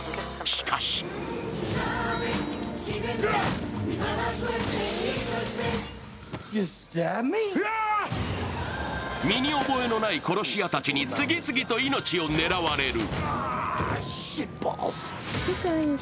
しかし身に覚えのない殺し屋たちに次々と命を狙われる。